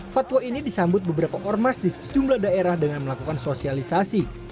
fatwa ini disambut beberapa ormas di sejumlah daerah dengan melakukan sosialisasi